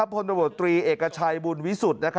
พลประบบตรีเอกชัยบุญวิสุทธิ์